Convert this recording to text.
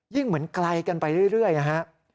ยิ่งเหมือนไกลกันไปเรื่อยนะครับ